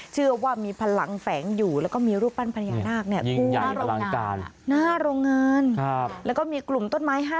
เชื่อว่ามีพลังแฝงอยู่แล้วก็มีรูปปั้นพญานาคเนี่ย